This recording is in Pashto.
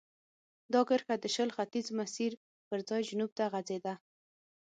دا کرښه د شل ختیځ مسیر پر ځای جنوب ته غځېده.